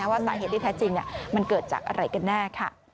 ว่าสาเหตุที่แท้จริงมันเกิดจากอะไรกันแน่ค่ะ